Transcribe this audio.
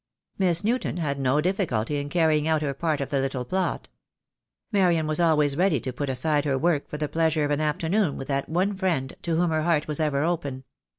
Miss Newton had no difficulty in carrying out her part of the little plot. Marian was always ready to put THE DAY WILL COME. 1 43 aside her work for the pleasure of an afternoon with that one friend to whom her heart was ever open.